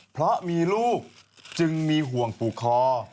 เพราะมีลูกจึงมีห่วงผูกคอ